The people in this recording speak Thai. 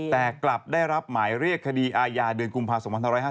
แต่กลับได้รับหมายเรียกคดีอาญาเดือนกุมภา๒๕๕๙